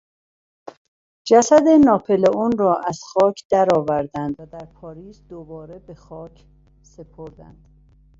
جسد ناپلئونرا از خاک درآوردند و در پاریس دوباره به خاک سپردند.